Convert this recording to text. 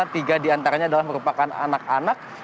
tiga diantaranya adalah merupakan anak anak